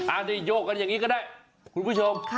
อันนี้โยกกันอย่างนี้ก็ได้คุณผู้ชม